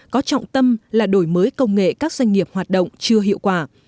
có trọng tâm là đổi mới công nghệ các doanh nghiệp hoạt động chưa hiệu quả